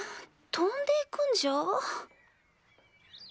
飛んでいくんじゃ？